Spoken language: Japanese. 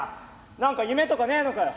何か夢とかねえのかよ」。